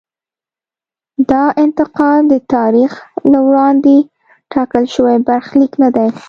دا انتقال د تاریخ له وړاندې ټاکل شوی برخلیک نه دی.